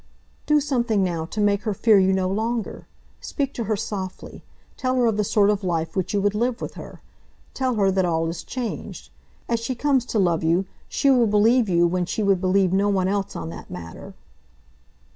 "Do something now to make her fear you no longer. Speak to her softly. Tell her of the sort of life which you would live with her. Tell her that all is changed. As she comes to love you, she will believe you when she would believe no one else on that matter."